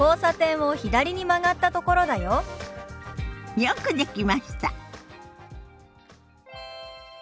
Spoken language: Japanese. よくできました。